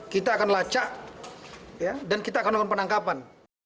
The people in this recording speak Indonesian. kita akan melacak dan kita akan menangkap penangkapan